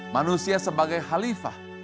manusia sebagai halifah